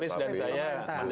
lu justru menjadi daya tarik lu